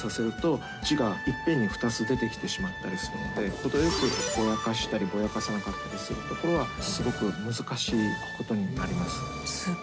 程よくぼやかしたりぼやかさなかったりするところはすごく難しいことになります。